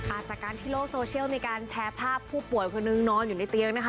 จากการที่โลกโซเชียลมีการแชร์ภาพผู้ป่วยคนนึงนอนอยู่ในเตียงนะคะ